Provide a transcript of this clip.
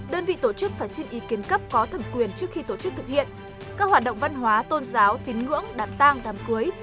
đơn vị tổ chức phải xin ý kiến cấp có thẩm quyền trước khi tổ chức thực hiện các hoạt động văn hóa tôn giáo tín ngưỡng đám tang đám cưới